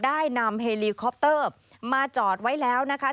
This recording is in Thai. ได้นำเฮลีคอปเตอร์มาจอดไว้แล้วนะคะ